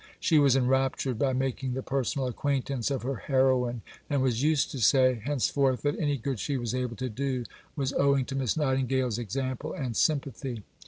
She was enraptured by making the personal acquaintance of her heroine, and was used to say henceforth that any good she was able to do was owing to Miss Nightingale's example and sympathy.